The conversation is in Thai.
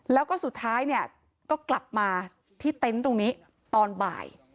แล้วก็สุดท้ายเนี่ยก็กลับมาที่เต็นต์ตรงนี้ตอนบ่าย